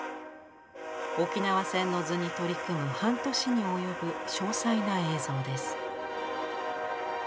「沖縄戦の図」に取り組む半年に及ぶ詳細な映像です。